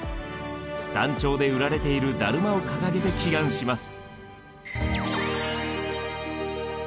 山頂で売られているダルマを掲げて祈願します。